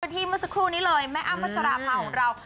ที่เมื่อสักครู่นี้เลยแม่อ้ำพัชราภาของเรา